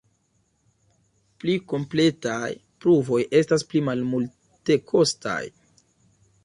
Pli kompletaj pruvoj estas pli malmultekostaj.